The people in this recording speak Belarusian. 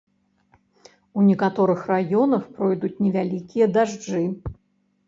У некаторых раёнах пройдуць невялікія дажджы.